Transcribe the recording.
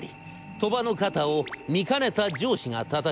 鳥羽の肩を見かねた上司がたたきます。